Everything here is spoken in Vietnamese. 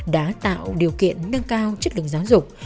đã tạo điều kiện nâng cao chất lượng giáo dục